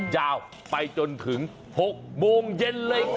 ยาวไปจนถึง๖โมงเย็นเลยค่ะ